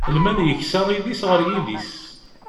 Lmal yeksa idis ɣer yidis.